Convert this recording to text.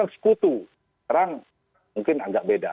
sekutu sekarang mungkin agak beda